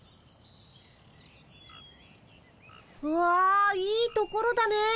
わあいいところだねえ。